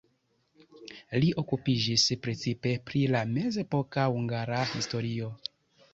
Li okupiĝis precipe pri la mezepoka hungara historio.